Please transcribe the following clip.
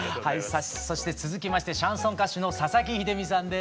そして続きましてシャンソン歌手の佐々木秀実さんです。